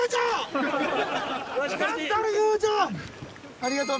ありがとう。